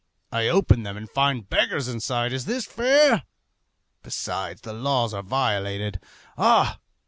I open them and find beggars inside. Is this fair? Besides, the laws are violated. Ah!